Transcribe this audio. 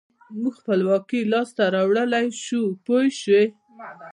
موږ خپلواکي لاسته راوړلای شو پوه شوې!.